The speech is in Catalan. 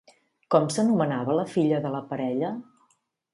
Com s'anomenava la filla de la parella?